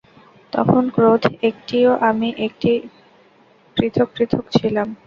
তখন ক্রোধ একটি ও আমি একটি, পৃথক পৃথক ছিলাম।